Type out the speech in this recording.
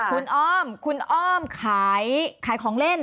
คุณอ้อมคุณอ้อมขายของเล่น